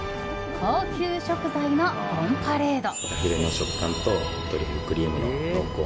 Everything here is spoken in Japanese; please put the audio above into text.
高級食材のオンパレード！